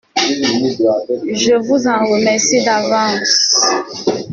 Je vous en remercie d’avance.